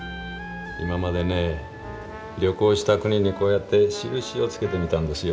今までね旅行した国にこうやって印をつけてみたんですよ。